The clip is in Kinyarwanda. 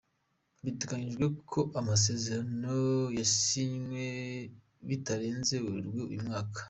Biteganyijwe ko amasezerano yasinywa bitarenze werurwe uyu mwaka.